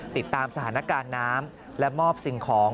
ติดตามสถานการณ์น้ำและมอบสิ่งของ